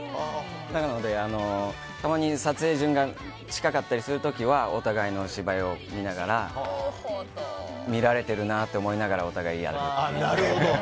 なので、たまに撮影順が近かったりする時はお互いの芝居を見ながら見られてるなって思いながらお互いやるっていう。